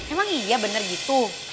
emang iya bener gitu